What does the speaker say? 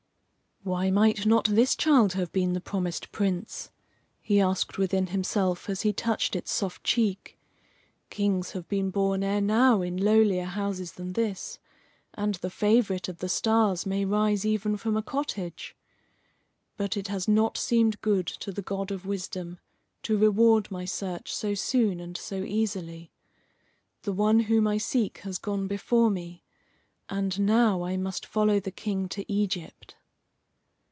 "Why might not this child have been the promised Prince?" he asked within himself, as he touched its soft cheek. "Kings have been born ere now in lowlier houses than this, and the favourite of the stars may rise even from a cottage. But it has not seemed good to the God of wisdom to reward my search so soon and so easily. The one whom I seek has gone before me; and now I must follow the King to Egypt."